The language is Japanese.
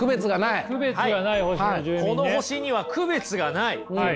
この星には区別がない。